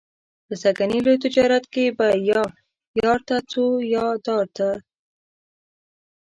په سږني لوی تجارت کې به یا یار ته څو یا دار ته.